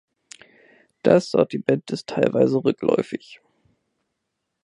Das Sortiment ist teilweise rückläufig.